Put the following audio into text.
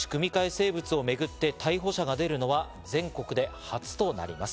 生物をめぐって逮捕者が出るのは全国で初となります。